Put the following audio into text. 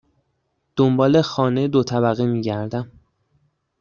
دنبال خانه دو طبقه می گردم.